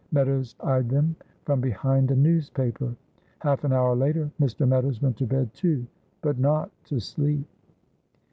Meadows eyed them from behind a newspaper. Half an hour later Mr. Meadows went to bed, too but not to sleep.